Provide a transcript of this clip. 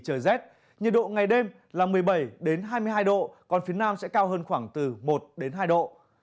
trong ba ngày tới nhiệt độ ngày đêm là một mươi bảy hai mươi hai độ còn phía nam sẽ cao hơn khoảng từ một hai độ